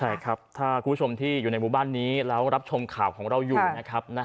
ใช่ครับถ้าคุณผู้ชมที่อยู่ในหมู่บ้านนี้แล้วรับชมข่าวของเราอยู่นะครับ